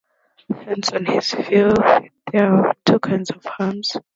Hence on his view there are two kinds of harms.